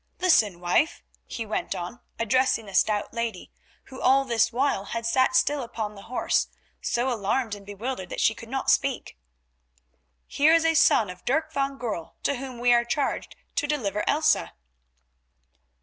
Listen, wife," he went on, addressing the stout lady, who all this while had sat still upon the horse, so alarmed and bewildered that she could not speak, "here is a son of Dirk van Goorl, to whom we are charged to deliver Elsa."